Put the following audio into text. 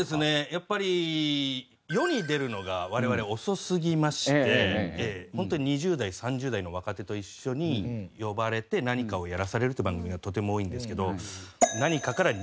やっぱり世に出るのが我々は遅すぎまして本当に２０代３０代の若手と一緒に呼ばれて何かをやらされるって番組がとても多いんですけど。